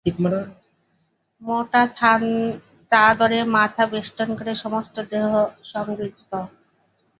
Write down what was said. মোটা থান চাদরে মাথা বেষ্টন করে সমস্ত দেহ সংবৃত।